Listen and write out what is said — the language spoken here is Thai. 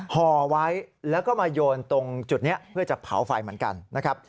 ห่อไว้แล้วก็มาโยนตรงจุดนี้เพื่อจะเผาไฟเหมือนกันนะครับ